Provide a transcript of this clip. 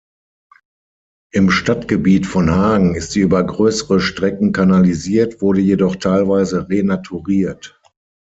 Im Stadtgebiet von Hagen ist sie über größere Stecken kanalisiert, wurde jedoch teilweise renaturiert.